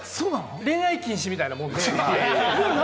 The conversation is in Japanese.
恋愛禁止みたいなもんで。